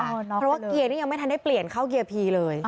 เพราะว่าเกียร์นี่ยังไม่ทันได้เปลี่ยนเข้าเกียร์พีเลย